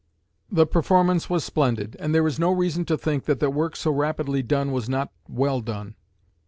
The performance was splendid, and there is no reason to think that the work so rapidly done was not well done.